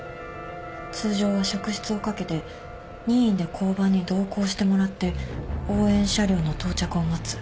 通常は職質をかけて任意で交番に同行してもらって応援車両の到着を待つ。